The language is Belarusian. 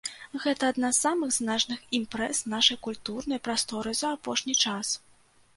Гэта адна з самых значных імпрэз нашай культурнай прасторы за апошні час.